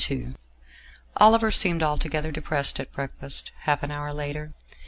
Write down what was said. II Oliver seemed altogether depressed at breakfast, half an hour later.